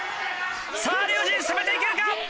さぁ龍心攻めていけるか？